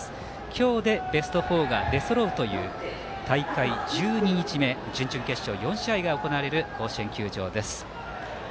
今日でベスト４が出そろうという大会１２日目準々決勝４試合が行われる甲子園球場。